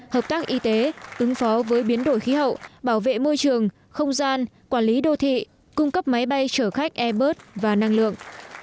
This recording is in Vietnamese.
hợp tác y tế ứng phó với biến đổi khí hậu bảo vệ môi trường không gian quản lý đô thị cung cấp máy bay chở khách airbus và năng lượng